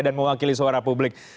dan mewakili suara publik